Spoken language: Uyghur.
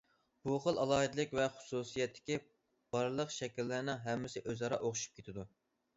بۇ خىل ئالاھىدىلىك ۋە خۇسۇسىيەتتىكى بارلىق شەكىللەرنىڭ ھەممىسى ئۆز ئارا ئوخشىشىپ كېتىدۇ.